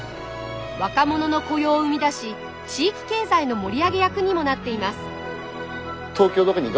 若者の雇用を生み出し地域経済の盛り上げ役にもなっています。